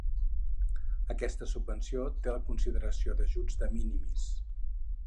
Aquesta subvenció té la consideració d'ajuts de "minimis".